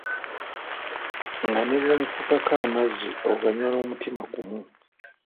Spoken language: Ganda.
Nga ne bw'omufukako amazzi oganywa n'omutima gumu!